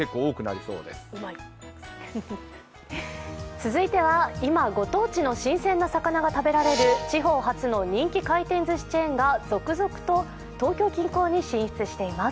続いては今、ご当地の新鮮な魚が食べられる地方発の人気回転ずしチェーンが続々と東京近郊に進出しています。